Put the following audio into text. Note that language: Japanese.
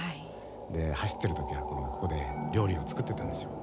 で走ってる時はここで料理を作ってたんでしょう。